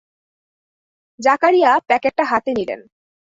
জাকারিয়া প্যাকেটটা হাতে নিলেন।